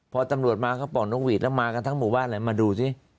พอตำรวจมาเขาปล่อนนกหวีดแล้วมากันทั้งหมู่บ้านเลยมาดูสิ